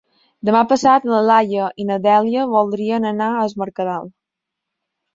Demà passat na Laia i na Dèlia voldrien anar a Es Mercadal.